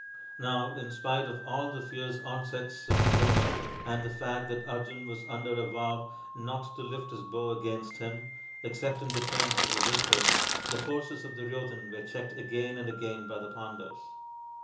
Now in spite of all the fierce onsets of Drona, and the fact that Arjun was under a vow not to lift his bow against him, except in defence of Yudhishthir, the forces of Duryodhan were checked again and again by the Pandavs.